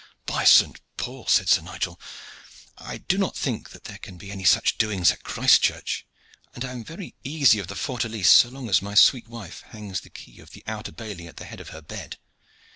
"By Saint Paul!" said Sir Nigel, "I do not think that there can be any such doings at Christchurch, and I am very easy of the fortalice so long as my sweet wife hangs the key of the outer bailey at the head of her bed.